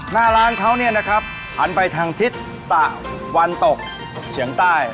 หน้าร้านเขาเนี่ยนะครับหันไปทางทิศตะวันตกเฉียงใต้